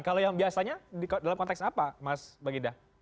kalau yang biasanya dalam konteks apa mas bang gita